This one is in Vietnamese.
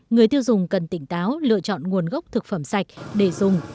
người tiêu dùng cần tỉnh táo lựa chọn nguồn gốc thực phẩm sạch để dùng